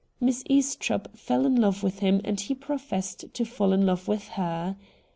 Miss Estropp fell in love with him and he professed to fall in love wdth her.